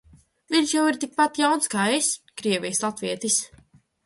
Viņš jau ir tikpat jauns kā es – Krievijas latvietis.